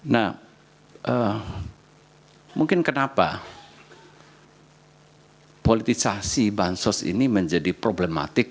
nah mungkin kenapa politisasi bansos ini menjadi problematik